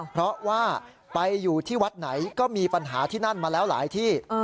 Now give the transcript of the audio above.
เพราะว่าไปอยู่ที่วัดไหนก็มีปัญหาที่นั่นมาแล้วหลายที่